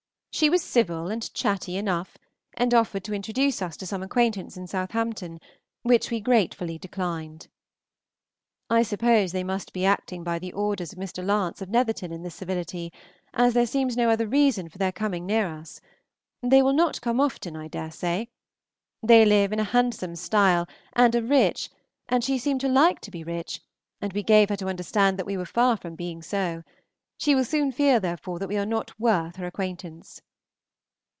She was civil and chatty enough, and offered to introduce us to some acquaintance in Southampton, which we gratefully declined. I suppose they must be acting by the orders of Mr. Lance of Netherton in this civility, as there seems no other reason for their coming near us. They will not come often, I dare say. They live in a handsome style and are rich, and she seemed to like to be rich, and we gave her to understand that we were far from being so; she will soon feel therefore that we are not worth her acquaintance.